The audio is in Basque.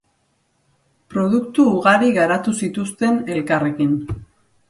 Produktu ugari garatu zituzten elkarrekin.